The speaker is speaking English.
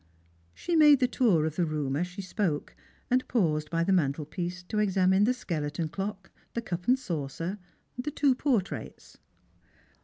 She made the tour of the room as she spoke, and paused by the mantelpiece to examine the skeleton clock, the cup and saucer, the two portraits.